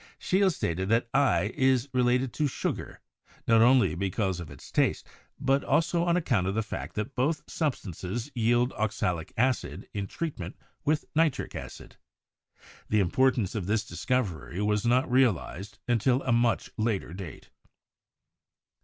Scheele stated that i* is related to sugar, not only because of its taste, but also on account of the fact that both substances yield oxalic acid in treat ment with nitric acid. The importance of this discovery was not realized until a much later date.